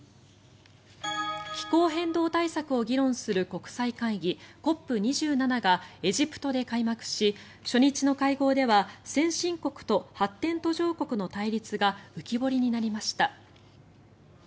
気候変動対策を議論する国際会議ＣＯＰ２７がエジプトで開幕し初日の会合では先進国と発展途上国の対立が浮き彫りになりました。